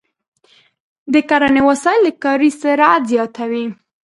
د کرنې وسایل د کاري سرعت زیاتوي.